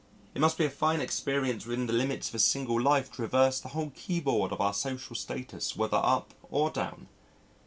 It must be a fine experience within the limits of a single life to traverse the whole keyboard of our social status, whether up or down.